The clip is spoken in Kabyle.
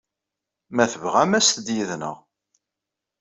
Ma tebɣam, aset-d yid-neɣ.